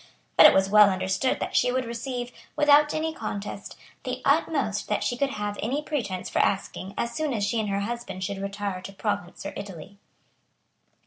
But it was well understood that she would receive, without any contest, the utmost that she could have any pretence for asking as soon as she and her husband should retire to Provence or to Italy.